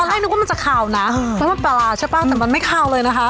แล้วมันปลารางใช่ป้าแต่มันไม่ขาวเลยนะคะ